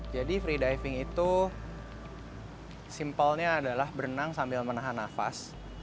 free diving itu simpelnya adalah berenang sambil menahan nafas